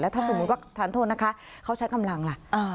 ถ้าสมมุติว่าทานโทษนะคะเขาใช้กำลังล่ะ